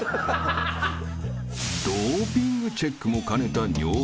［ドーピングチェックも兼ねた尿検査］